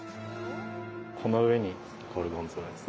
この上にゴルゴンゾーラです。